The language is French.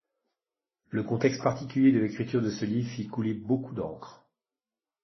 Le contexte particulier de l'écriture de ce livre fit couler beaucoup d'encre.